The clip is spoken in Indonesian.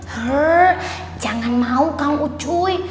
heeh jangan mau kamu cuy